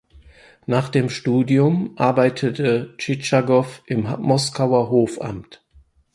Nach dem Studium arbeitete Tschitschagow im Moskauer Hofamt.